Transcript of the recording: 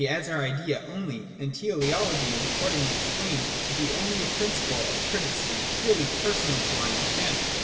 e. as our idea only: and teleology is accordingly explained to be only a principle of criticism, purely personal to our understanding.